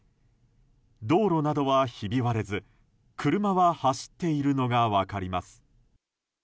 道路などはひび割れず車は走っているのが分かります。